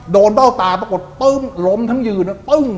โดนเจ้าตาประกดปึ้มลมทั้งยืนปึ้ม